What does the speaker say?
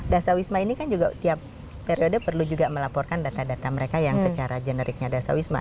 dasar wisma ini kan juga tiap periode perlu juga melaporkan data data mereka yang secara generiknya dasar wisma